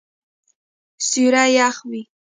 سیوری یخ وی